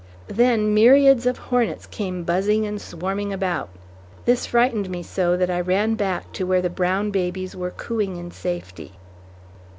Then myriads of hornets came buzzing and swarming about. This frightened me so that I ran back to where the brown babies were cooing in safety.